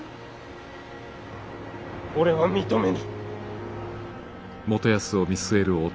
俺は認めぬ。